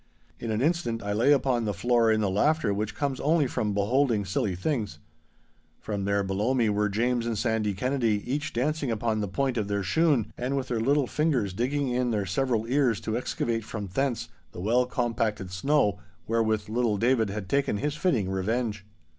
In an instant I lay upon the floor in the laughter which comes only from beholding silly things. For there below me were James and Sandy Kennedy each dancing upon the point of their shoon, and with their little fingers digging in their several ears to excavate from thence the well compacted slush wherewith little David had taken his fitting revenge.